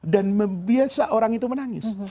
dan membiasa orang itu menangis